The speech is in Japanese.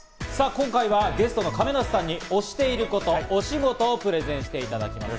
今回はゲストの亀梨さんが推していること、推しゴトをプレゼンしていただきます。